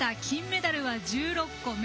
金メダルは１６個。